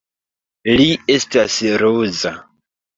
Li estas ruza.